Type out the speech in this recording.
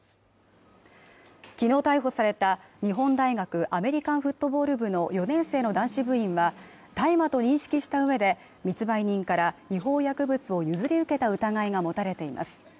昨日逮捕された日本大学アメリカンフットボール部の４年生の男子部員は大麻と認識したうえで密売人から違法薬物を譲り受けた疑いが持たれています